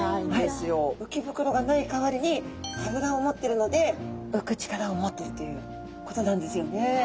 鰾がない代わりに脂を持ってるので浮く力を持ってるということなんですよね。